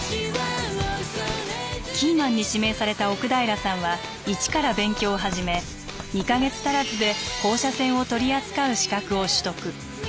キーマンに指名された奥平さんは一から勉強を始め２か月足らずで放射線を取り扱う資格を取得。